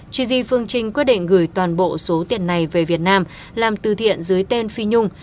tri di phương trinh quyết định gửi toàn bộ số tiền này về việt nam làm từ thiện dưới tên phi nhung